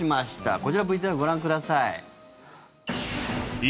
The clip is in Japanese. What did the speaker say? こちら、ＶＴＲご覧ください。